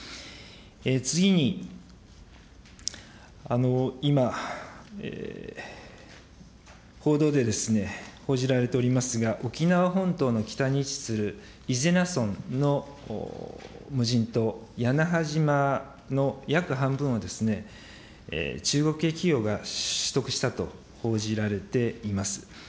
次に、今、報道でですね、報じられておりますが、沖縄本島の北に位置します伊是名村の無人島、やなは島の約半分は、中国系企業が取得したと報じられています。